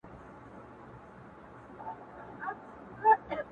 نور به وه ميني ته شعرونه ليكلو ـ